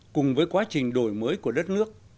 cùng với quá trình đổi mới của đất nước